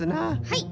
はい。